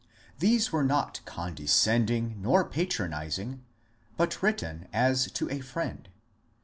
These were not condescending nor patronizing, but written as to a friend.